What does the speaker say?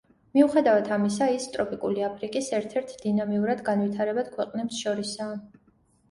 მოუხედავად ამისა, ის ტროპიკული აფრიკის ერთ-ერთ დინამიურად განვითარებად ქვეყნებს შორისაა.